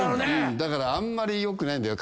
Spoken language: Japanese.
だからあんまり良くない。